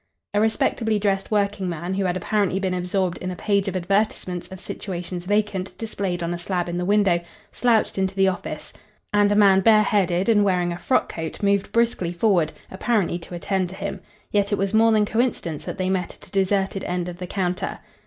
A respectably dressed working man, who had apparently been absorbed in a page of advertisements of situations vacant displayed on a slab in the window, slouched into the office, and a man bareheaded and wearing a frock coat moved briskly forward, apparently to attend to him. Yet it was more than coincidence that they met at a deserted end of the counter.